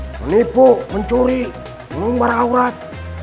menipu mencuri mengumbar aurat